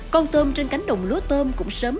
con tôm trên cánh đồng lúa tôm cũng sớm